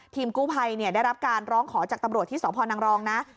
กู้ภัยได้รับการร้องขอจากตำรวจที่สพนังรองนะ